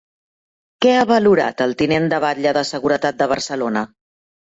Què ha valorat el tinent de batlle de Seguretat de Barcelona?